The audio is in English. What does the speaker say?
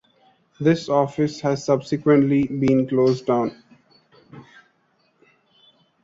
This office has subsequently been closed down.